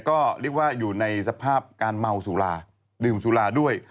ก็เรียกว่าอยู่ในสภาพการเมาสุราดื่มสุราด้วย